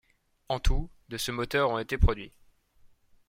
En tout, de ce moteur ont été produits.